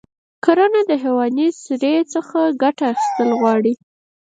کرنه د حیواني سرې څخه ګټه اخیستل غواړي.